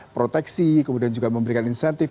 proteksi kemudian juga memberikan insentif